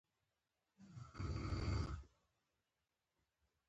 آیا میلیونونه شیعه ګان هلته نه ځي؟